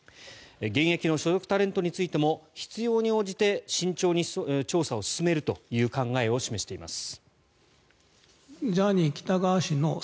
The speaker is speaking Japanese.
現役の所属タレントについても必要に応じて慎重に調査を進めるという考えを示しています。